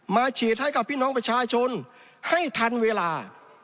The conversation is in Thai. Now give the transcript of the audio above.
ฉีดให้กับพี่น้องประชาชนให้ทันเวลา